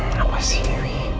ada pesan dari dewi